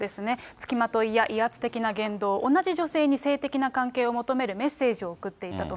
付きまといや威圧的な言動、同じ女性に性的な関係を求めるメッセージを送っていたと。